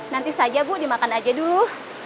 nanti saja bu dimakan aja dulu